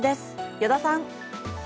依田さん。